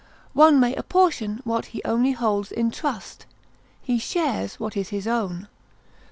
One may apportion what he only holds in trust; he shares what is his own.